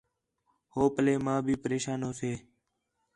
ہو پَلّے ماں بھی پریشان ہوسے